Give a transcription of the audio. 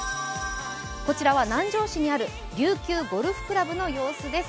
こちらは南城市にある琉球ゴルフ倶楽部の様子です。